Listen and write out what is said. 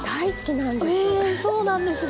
えそうなんですね！